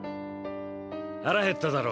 腹減っただろ？